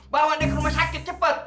bawa dia ke rumah sakit cepet